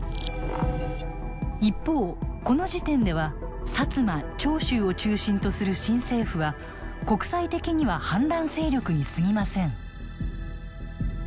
一方この時点では摩・長州を中心とする新政府は国際的には反乱勢力にすぎません。